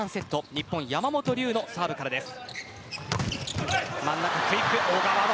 日本、山本龍のサーブからです。